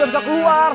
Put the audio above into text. gua bisa keluar